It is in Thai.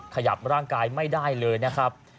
ขยับร่างกายไม่ได้เลยนะครับ